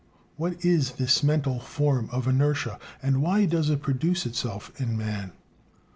What is this mental form of inertia? and why does it produce itself in man?